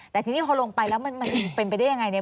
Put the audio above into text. แต่ทีนี้พอลงไปแล้วมันเป็นไปได้ยังไงเนี่ย